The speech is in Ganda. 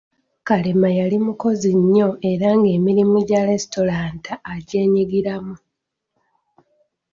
Kalema yali mukozi nnyo era ng'emirimu gya lesitulanta agyenyigiramu.